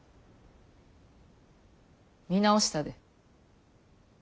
見直したで。